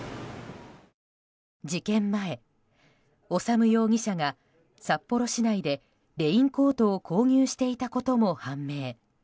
事件前、修容疑者が札幌市内でレインコートを購入していたことも判明。